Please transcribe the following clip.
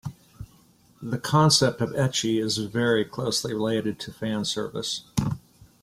The concept of ecchi is very closely related to fan service.